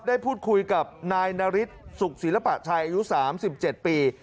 ได้พูดคุยกับนายนาริสสุขศิลปะชัยอายุ๓๗ปี